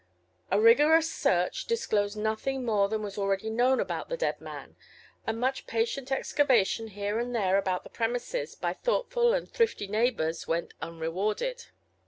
A rigorous search disclosed nothing more than was already known about the dead man, and much patient excavation here and there about the premises by thoughtful and thrifty neighbors went unrewarded.